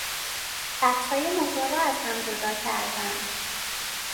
بخشهای موتور را از هم جدا کردن